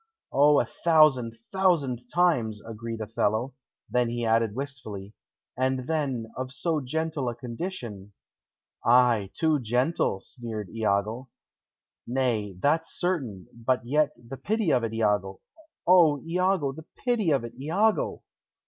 "O, a thousand, thousand times," agreed Othello; then he added wistfully: "And, then, of so gentle a condition!" "Ay, too gentle," sneered Iago. "Nay, that's certain; but, yet, the pity of it, Iago! O, Iago, the pity of it, Iago!"